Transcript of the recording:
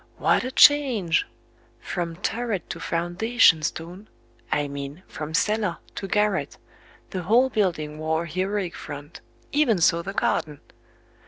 what a change! From turret to foundation stone I mean, from cellar to garret, the whole building wore a heroic front; even so the garden!